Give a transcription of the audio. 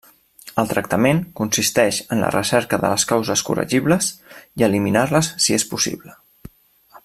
El tractament consisteix en la recerca de les causes corregibles i eliminar-les si és possible.